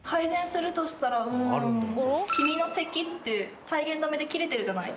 「君の席」って体言止めで切れてるじゃない。